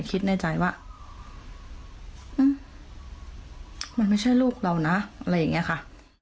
คิดในใจว่ามันไม่ใช่ลูกเรานะอะไรอย่างนี้ค่ะ